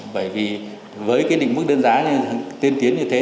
bởi vì với cái đỉnh bức đơn giá tiên tiến như thế